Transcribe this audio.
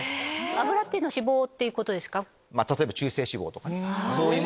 脂っていうのは脂肪ってことですか？